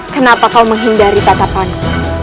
kenapa kau menghindari tatapanku